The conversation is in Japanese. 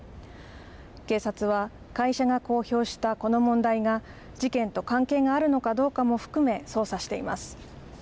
警察は会社が公表したこの問題が、事件と関係があるのかどうかも含め、捜査しています。